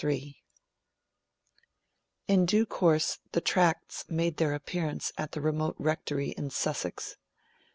III IN due course, the Tracts made their appearance at the remote rectory in Sussex.